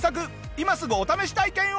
今すぐお試し体験を！